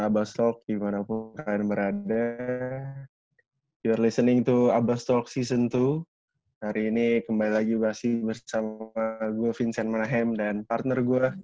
aba stok dimanapun kalian berada you re listening to aba stok season dua hari ini kembali lagi bersama gue vincent manahem dan partner gue